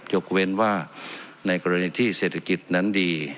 ยกเว้นว่าในกรณีที่เศรษฐกิจนั้นดี